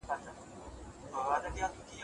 که په ټولنه کي عدالت وي نو ظلم نه خپرېږي.